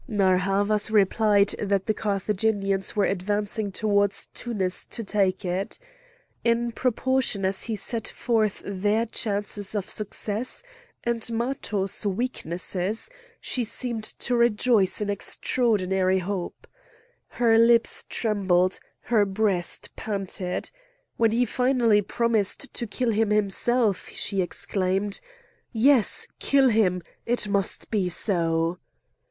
Narr' Havas replied that the Carthaginians were advancing towards Tunis to take it. In proportion as he set forth their chances of success and Matho's weaknesses, she seemed to rejoice in extraordinary hope. Her lips trembled, her breast panted. When he finally promised to kill him himself, she exclaimed: "Yes! kill him! It must be so!"